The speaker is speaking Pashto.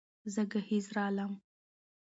زه ګهيځ رالمه